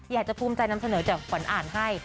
อยากจะภูมิใจนำเสนอจากขวัญอ่านให้